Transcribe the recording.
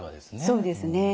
そうですね。